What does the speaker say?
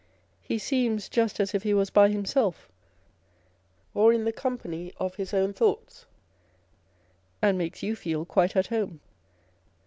He seems just as if he was by himself or in tho company of his own thoughts, and makes you feel quite at home.